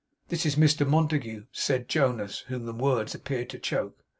'This is Mr Montague,' said Jonas, whom the words appeared to choke.